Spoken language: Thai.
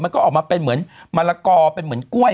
ออกมาเป็นเหมือนมะละกอเป็นเหมือนกล้วย